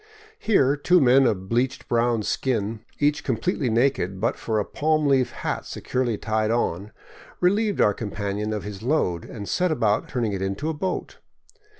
Here two men of bleached brown skin, each completely naked but for a palm leaf hat securely tied on, relieved our companion of his load and set about turning it into a boat.